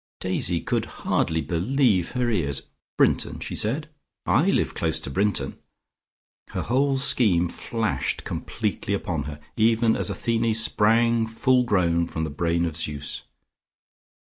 Daisy could hardly believe her ears. "Brinton?" she said. "I live close to Brinton." Her whole scheme flashed completely upon her, even as Athene sprang full grown from the brain of Zeus.